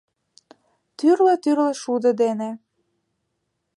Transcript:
Тӱрлӧ-тӱрлӧ шудо дене